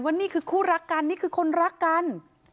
นี่คือคู่รักกันนี่คือคนรักกัน